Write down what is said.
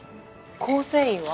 構成員は？